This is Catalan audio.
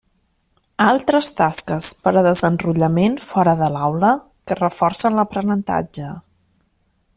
Altres tasques per a desenrotllament fora de l'aula que reforcen l'aprenentatge.